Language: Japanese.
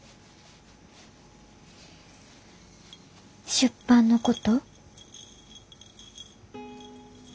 出版のこと？